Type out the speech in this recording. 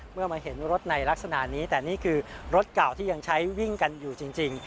เมื่อมาเห็นรถในลักษณะนี้แต่นี่คือรถเก่าที่ยังใช้วิ่งกันอยู่จริง